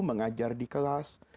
mengajar di kelas